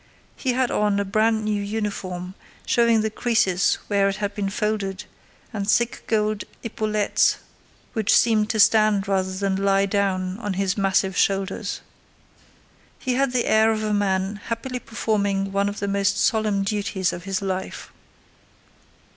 He had on a brand new uniform showing the creases where it had been folded and thick gold epaulettes which seemed to stand rather than lie down on his massive shoulders. He had the air of a man happily performing one of the most solemn duties of his life.